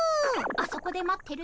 あそこで待ってる！